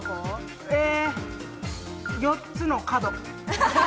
四つの角。